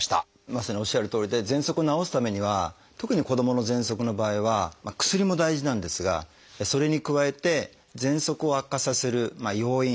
まさにおっしゃるとおりでぜんそくを治すためには特に子どものぜんそくの場合は薬も大事なんですがそれに加えてぜんそくを悪化させる要因。